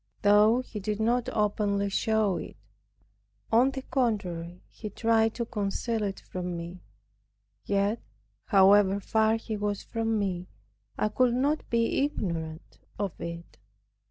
Though he did not openly show it, on the contrary tried to conceal it from me; yet how far distant soever he were from me, I could not be ignorant of it.